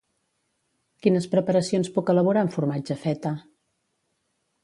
Quines preparacions puc elaborar amb formatge feta?